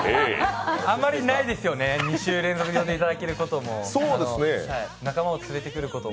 あまりないですよね、２週連続呼んでいただけることも、仲間を連れてくることも。